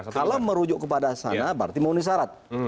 kalau merujuk kepada sana berarti memenuhi syarat